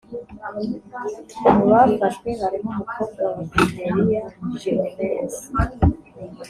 mu bafashwe harimo umukobwa wa fidelia jimenez